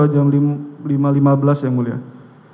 kemudian jam berapa saudara meluncur ke jakarta